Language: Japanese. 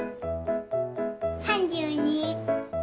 ３２。